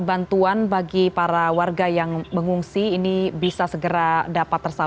untuk para pengusaha